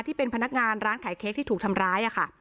ที่เป็นพนักงานร้านขายเค้กที่ถูกทำร้ายค่ะ